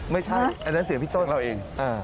ไม่ใช่อันนี้เสียพี่ต้น